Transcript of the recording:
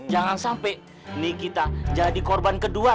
jangan sampai nih kita jadi korban kedua